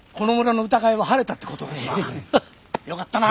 よかったな。